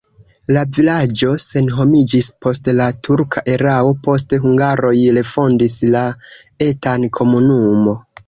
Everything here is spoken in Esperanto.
La vilaĝo senhomiĝis post la turka erao, poste hungaroj refondis la etan komunumo.